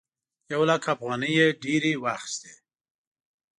یو لک افغانۍ یې ډېرې واخيستې.